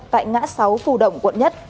tại ngã sáu phù động quận một